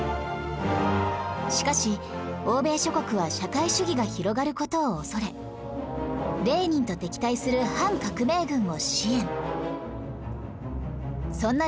しかし欧米諸国は社会主義が広がる事を恐れレーニンと敵対する反革命軍を支援